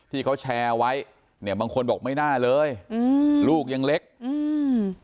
ที่เขาแชร์ไว้เนี่ยบางคนบอกไม่น่าเลยอืมลูกยังเล็กอืม